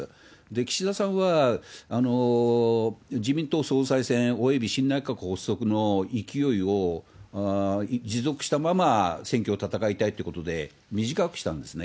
岸田さんは自民党総裁選、および新内閣発足の勢いを持続したまま選挙を戦いたいってことで短くしたんですね。